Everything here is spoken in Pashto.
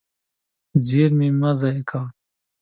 زېرمې مه ضایع کوه.